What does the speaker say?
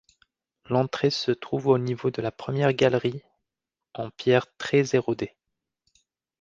L'entrée se trouve au niveau de la première galerie en pierre très érodée.